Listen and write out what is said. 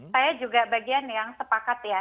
saya juga bagian yang sepakat ya